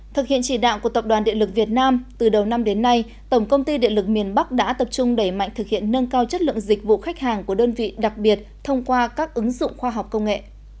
thực hiện chỉ đạo của tập đoàn điện lực việt nam từ đầu năm đến nay tổng công ty điện lực miền bắc đã tập trung đẩy mạnh thực hiện nâng cao chất lượng dịch vụ khách hàng của đơn vị đặc biệt thông qua các ứng dụng khoa học công nghệ